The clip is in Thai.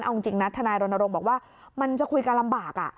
เอาจริงนะทนายรณรงค์บอกว่ามันจะคุยกันลำบาก